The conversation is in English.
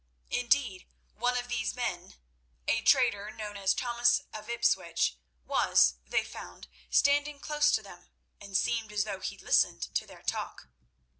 Indeed, one of these men—a trader known as Thomas of Ipswich—was, they found, standing close to them, and seemed as though he listened to their talk.